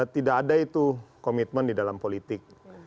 tidak ada itu komitmen di dalam politik